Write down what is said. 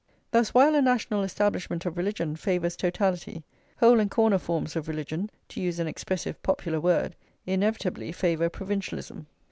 Thus, while a national Establishment of religion favours totality, hole and corner forms of religion (to use an expressive popular word) inevitably favour provincialism.